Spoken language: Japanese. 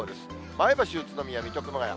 前橋、宇都宮、水戸、熊谷。